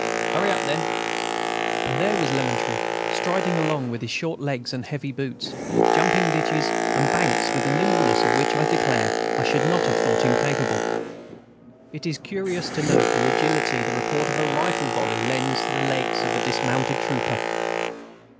"Hurry up, then." And there was Lemaître, striding along with his short legs and heavy boots, jumping ditches and banks with a nimbleness of which I declare I should not have thought him capable. It is curious to note the agility the report of a rifle volley lends to the legs of a dismounted trooper.